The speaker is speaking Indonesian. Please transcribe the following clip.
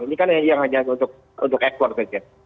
ini kan yang hanya untuk eksport